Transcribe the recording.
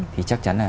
thì chắc chắn là